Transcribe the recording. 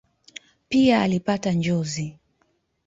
Pia alipata njozi.